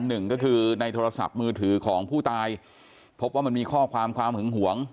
หนึ่งก็คือในโทรศัพท์มือถือของผู้ตายพบว่ามันมีข้อความความหึงหวง